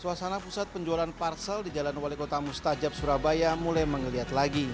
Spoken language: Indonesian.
suasana pusat penjualan parsel di jalan wali kota mustajab surabaya mulai mengeliat lagi